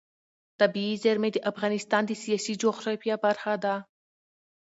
طبیعي زیرمې د افغانستان د سیاسي جغرافیه برخه ده.